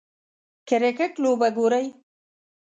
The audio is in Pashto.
کریکټ لوبه ګورئ